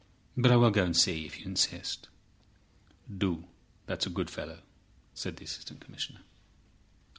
But I will go and see, if you insist." "Do. That's a good fellow," said the Assistant Commissioner.